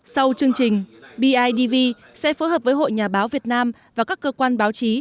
sau chương trình bidv sẽ phối hợp với hội nhà báo việt nam và các cơ quan báo chí